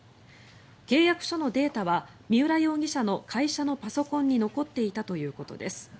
契約書のデータは三浦容疑者の会社のパソコンに残っていたということです。